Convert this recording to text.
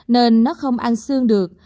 nên nó không ăn xương được